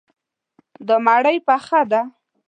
دا مړی پخه دی.